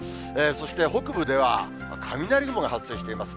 そして、北部では、雷雲が発生しています。